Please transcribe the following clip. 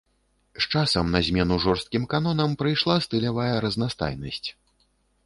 З часам на змену жорсткім канонам прыйшла стылявая разнастайнасць.